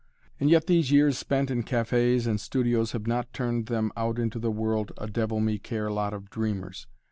And yet these years spent in cafés and in studios have not turned them out into the world a devil me care lot of dreamers.